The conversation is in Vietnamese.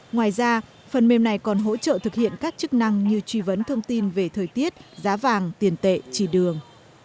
ngoài ra phần mềm này còn hỗ trợ thực hiện các chức năng như truy vấn thông tin về thời tiết giá vàng tiền tệ chỉ đường